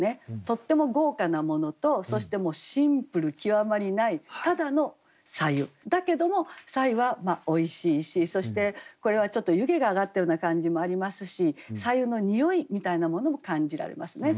とっても豪華なものとそしてシンプル極まりないただの白湯だけども白湯はおいしいしそしてこれはちょっと湯気が上がったような感じもありますし白湯のにおいみたいなものも感じられますね。